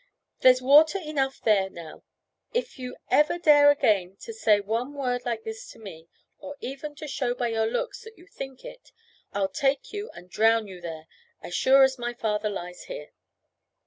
"There's water enough there now. If you ever dare again to say one word like this to me, or even to show by your looks that you think it, I'll take you and drown you there, as sure as my father lies here."